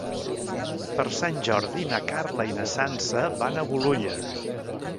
Per Sant Jordi na Carla i na Sança van a Bolulla.